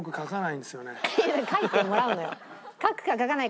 いや描いてもらうのよ。